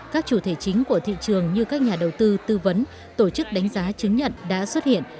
các chủ thể chính của thị trường như các nhà đầu tư tư vấn tổ chức đánh giá chứng nhận đã xuất hiện